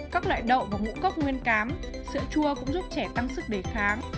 các loại đậu và ngũ cốc nguyên cám sữa chua cũng giúp trẻ tăng sức đề kháng